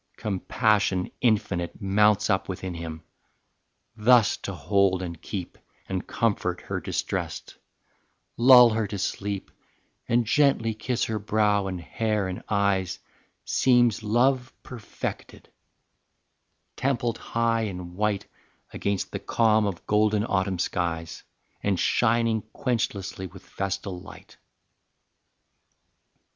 Compassion infinite Mounts up within him. Thus to hold and keep And comfort her distressed, lull her to sleep And gently kiss her brow and hair and eyes Seems love perfected templed high and white Against the calm of golden autumn skies, And shining quenchlessly with vestal light.